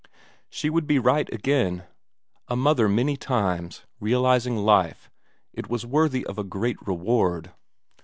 She would be right again. A mother many times, realizing life it was worthy of a great reward.